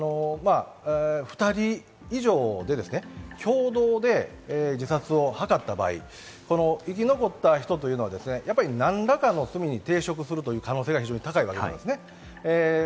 ２人以上でですね、共同で自殺を図った場合、この生き残った人というのは何らかの罪に抵触するという可能性が非常に高いわけです。